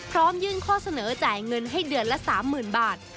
ยื่นข้อเสนอจ่ายเงินให้เดือนละ๓๐๐๐บาท